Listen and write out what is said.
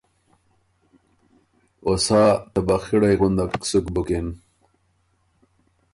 او سا طبع خِړئ غندک سُک بُکِن۔